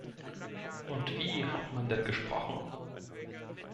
Und wie hat man denn gesprochen?